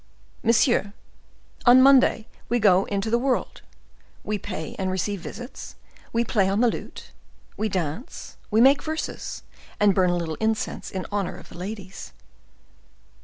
"Monsieur, on Monday we go into the world; we pay and receive visits, we play on the lute, we dance, we make verses, and burn a little incense in honor of the ladies."